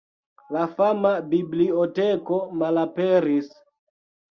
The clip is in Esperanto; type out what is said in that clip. La fama biblioteko malaperis.